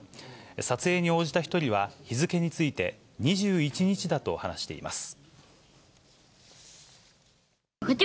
撮影に応じた一人は、日付について、２１日だと話しています。